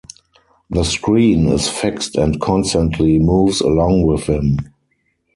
The screen is fixed and constantly moves along with him.